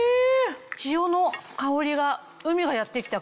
潮の香りが海がやって来た感じ。